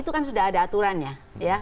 itu kan sudah ada aturannya